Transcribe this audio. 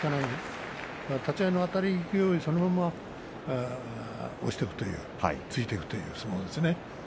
立ち合いのあたりのようにそのまま押していく突いていくという相撲ですね。